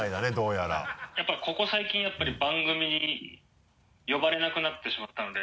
やっぱりここ最近番組に呼ばれなくなってしまったので。